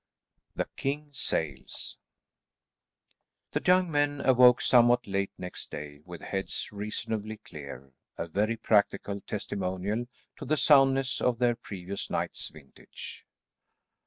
"] THE KING SAILS The young men awoke somewhat late next day with heads reasonably clear, a very practical testimonial to the soundness of their previous night's vintage.